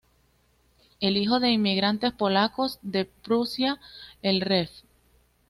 El hijo de inmigrantes polacos de Prusia, el Rev.